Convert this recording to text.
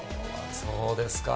そうですか。